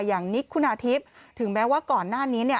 อย่างนิคคุณอาทิบถึงแม้ว่าก่อนหน้านี้